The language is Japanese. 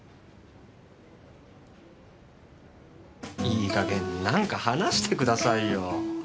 いい加減何か話してくださいよ。